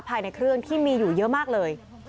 ภายในเครื่องที่มีอยู่เยอะมากเลย